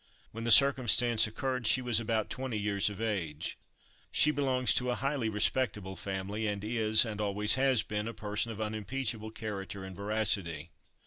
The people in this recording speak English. When the circumstance occurred, she was about twenty years of age. She belongs to a highly respectable family, and is, and always has been, a person of unimpeachable character and veracity.